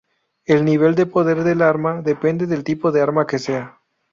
El nivel de poder del arma depende del tipo del arma que sea.